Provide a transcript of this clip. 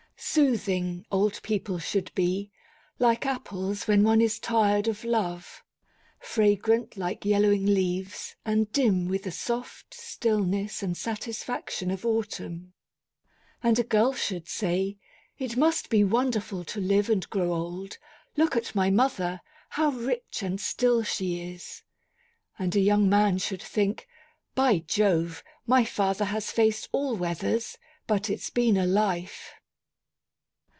Soothing, old people should be, like apples when one is tired of love. Fragrant like yellowing leaves, and dim with the soft stillness and satisfaction of autumn. And a girl should say: It must be wonderful to live and grow old. Look at my mother, how rich and still she is! And a young man should think: By Jove my father has faced all weathers, but it's been a life!